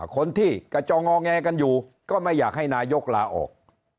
คนที่กระจองงอแงกันอยู่ก็ไม่อยากให้นายกลาออก